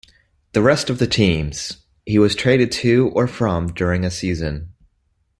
The rest of the teams, he was traded to or from during a season.